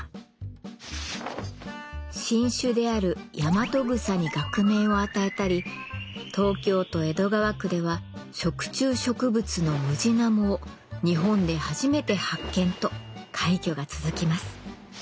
新種であるヤマトグサに学名を与えたり東京都江戸川区では食虫植物のムジナモを日本で初めて発見と快挙が続きます。